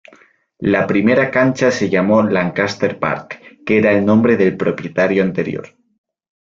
La primera cancha se llamó Lancaster Park que era el nombre del propietario anterior.